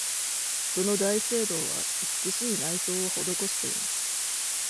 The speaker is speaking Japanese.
その大聖堂は美しい内装を施しています。